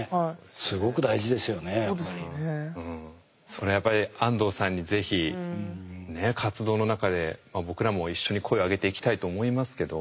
それはやっぱり安藤さんにぜひ活動の中で僕らも一緒に声を上げていきたいと思いますけど。